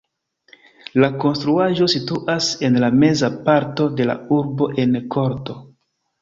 La konstruaĵo situas en la meza parto de la urbo en korto.